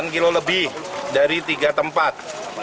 delapan kilo lebih dari tiga tempat